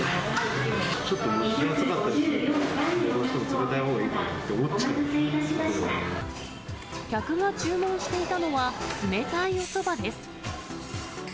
ちょっと蒸し暑かったりすると、どうしても冷たいほうがいいかな客が注文していたのは、冷たいおそばです。